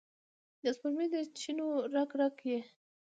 د سپوږمۍ د چېنو رګ، رګ یې،